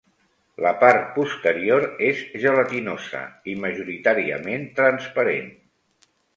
La part posterior és gelatinosa i majoritàriament transparent.